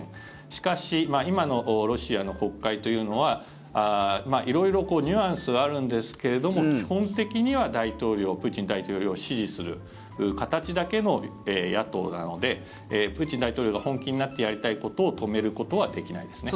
しかし今のロシアの国会というのは色々ニュアンスあるんですけれども基本的にはプーチン大統領を支持する形だけの野党なのでプーチン大統領が本気になってやりたいことを止めることはできないですね。